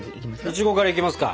イチゴからいきますか。